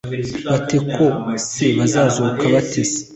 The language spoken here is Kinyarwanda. bate koko se bazazuka ba te